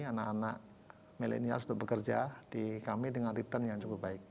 anak anak milenials untuk bekerja di kami dengan return yang cukup baik